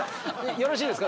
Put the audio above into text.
よろしいですか？